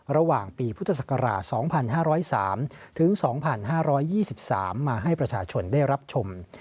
ระหว่างปีพุทธศักราช๒๕๐๓ถึง๒๕๒๓มาให้ประชาชนได้รับชม